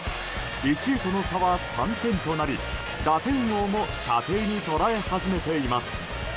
１位との差は３点となり打点王も射程に捉え始めています。